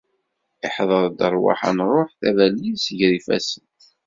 Iḥder-d rrwaḥ ad nruḥ, tabalizt ger yifassen